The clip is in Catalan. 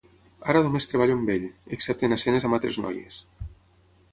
Ara només treballo amb ell, excepte en escenes amb altres noies.